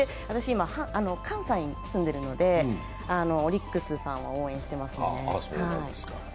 今、関西に住んでいるのでオリックスさんを応援してますね。